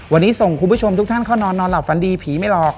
วันนี้ส่งคุณผู้ชมทุกท่านเข้านอนนอนหลับฝันดีผีไม่หลอก